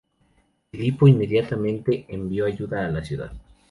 Filipo inmediatamente envió ayuda a la ciudad.